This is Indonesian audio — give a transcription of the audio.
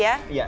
iya ini dia